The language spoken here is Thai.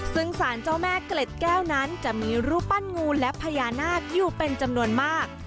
ซึ่งสารเจ้าแม่เกล็ดแก้วนั้นจะมีรูปปั้นงูและพญานาคอยู่เป็นจำนวนมาก